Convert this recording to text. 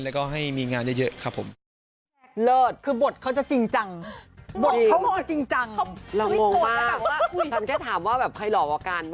แล้วก็ให้มีงานเยอะครับผม